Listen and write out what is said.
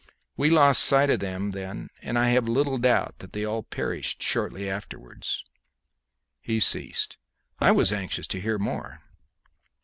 We lost sight of them then, and I have little doubt that they all perished shortly afterwards." He ceased. I was anxious to hear more.